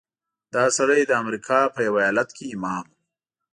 دا سړی د امریکا په یوه ایالت کې امام و.